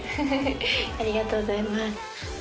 ありがとうございます。